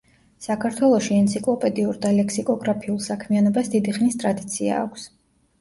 საქართველოში ენციკლოპედიურ და ლექსიკოგრაფიულ საქმიანობას დიდი ხნის ტრადიცია აქვს.